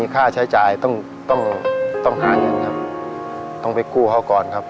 ข้างซ้ายครับ